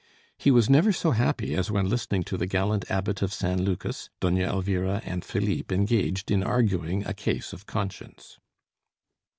He was never so happy as when listening to the gallant Abbot of San Lucas, Doña Elvira and Philippe engaged in arguing a case of conscience.